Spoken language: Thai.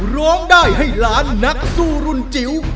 ร้องได้ให้ล้านนักสู้รุ่นจิ๋ว